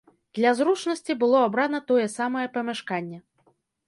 Для зручнасці было абрана тое самае памяшканне.